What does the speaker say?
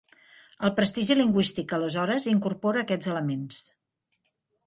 El prestigi lingüístic aleshores incorpora aquests elements.